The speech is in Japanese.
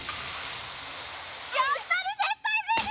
やっぱり絶対無理！